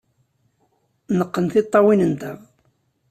Neqqen tiṭṭawin-nteɣ.